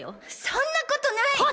そんなことないっ！